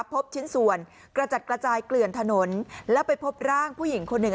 พบชิ้นส่วนกระจัดกระจายเกลื่อนถนนแล้วไปพบร่างผู้หญิงคนหนึ่ง